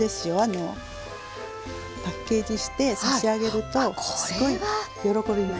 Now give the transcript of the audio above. パッケージして差し上げるとすごい喜びます。